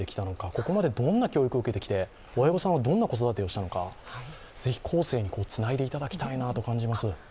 ここまでどんな教育を受けてきて親御さんはどんな子育てをしたのかぜひ後世につないでいただきたいなと思います。